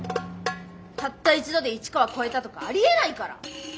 たった一度で市川超えたとかありえないから。